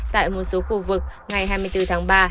tại một số khu vực ngày hai mươi bốn tháng ba